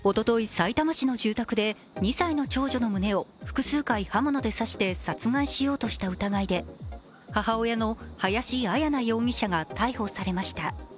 さいたま市の住宅で２歳の長女の胸を複数回、刃物で刺して殺害したようとした疑いで母親の林絢奈容疑者が逮捕されました。